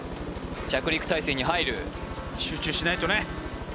着陸体勢に入る集中しないとね